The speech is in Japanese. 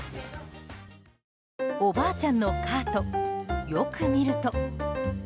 おばあちゃんのカートよく見ると。